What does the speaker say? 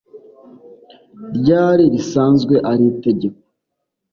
ryari risanzwe ari itegeko